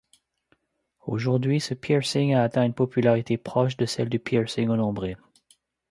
Aujourd'hui, ce piercing a atteint une popularité proche de celle du piercing au nombril.